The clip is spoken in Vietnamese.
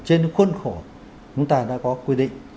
chúng ta đã có quy định